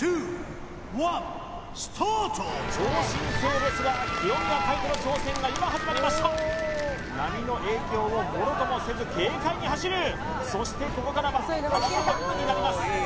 超新星レスラー清宮海斗の挑戦が今始まりました波の影響をものともせず軽快に走るそしてここからは幅が半分になります